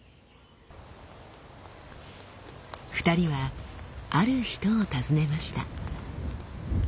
２人はある人を訪ねました。